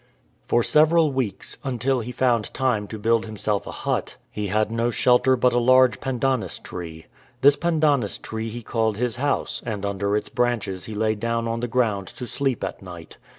For several weeks, until he found time to build himself a hut, he had no shelter but a large pandanus tree. This pandanus tree he called his house, and under its branches he lay down on the ground to sleep at night.